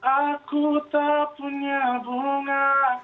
aku tak punya bunga